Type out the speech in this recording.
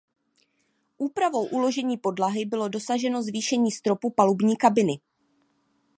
Úpravou uložení podlahy bylo dosaženo zvýšení stropu palubní kabiny.